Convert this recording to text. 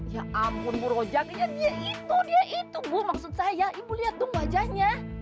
ya ampun bu rojak ya dia itu dia itu bu maksud saya ibu lihat dong wajahnya